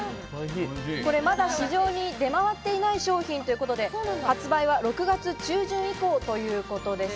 まだ市場に出回っていない商品ということで発売は６月中旬以降ということです。